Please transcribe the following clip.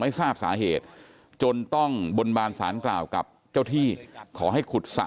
ไม่ทราบสาเหตุจนต้องบนบานสารกล่าวกับเจ้าที่ขอให้ขุดสระ